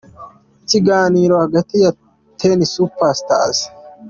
Ikiganiro hagati ya Ten Super Stars:.